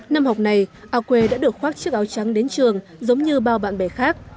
năm học này ao quê đã được khoác chiếc áo trắng đến trường giống như bao bạn bè khác